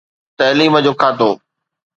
تعليم جو کاتو.